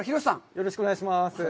よろしくお願いします。